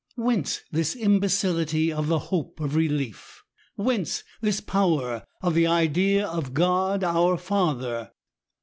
Whence this imbecility of the ^' hope of relief ?" Whence this power of the idea of God our Father?